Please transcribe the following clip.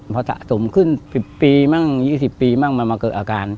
พอสะสมขึ้น๑๐ปีมั่ง๒๐ปีมั่งมันมาเกิดอาการ